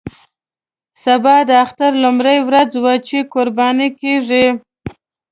سبا د اختر لومړۍ ورځ وه چې قرباني کېږي.